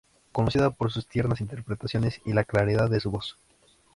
Conocida por sus tiernas interpretaciones y la claridad de su voz.